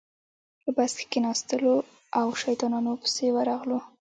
په بس کې کېناستو او شیطانانو پسې ورغلو.